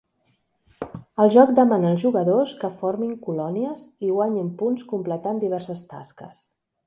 El joc demana als jugadors que formin colònies i guanyin punts completant diverses tasques.